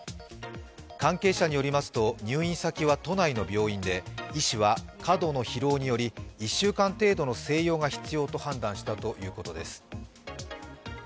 関係者によりますと入院先は都内の病院で医師は過度の疲労のため１週間程度の静養が必要と判断したということです。